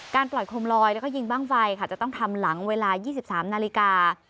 ปล่อยโคมลอยแล้วก็ยิงบ้างไฟค่ะจะต้องทำหลังเวลา๒๓นาฬิกา